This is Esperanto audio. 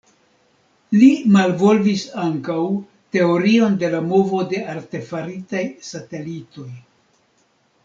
Li malvolvis ankaŭ teorion de la movo de la artefaritaj satelitoj.